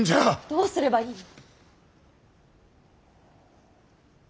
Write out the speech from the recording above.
どうすればいいの。